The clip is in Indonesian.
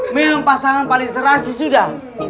memang pasangan paling serasi sudah